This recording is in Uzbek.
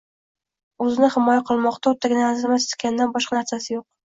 O‘zini himoya qilmoqqa to‘rttagina arzimas tikanidan boshqa narsasi yo‘q...